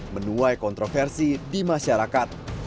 menuai kontroversi di masyarakat